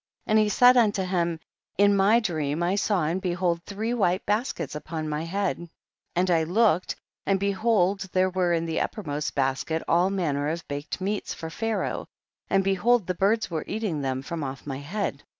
13. And he said unto him, in my dream I saw and behold three white baskets upon my head, and I looked, and behold there were in the upper most basket all manner of baked meats for Pharaoh, and behold the birds were eating them from off my head.